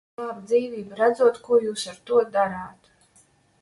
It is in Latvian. Glābt dzīvību redzot, ko jūs ar to darāt?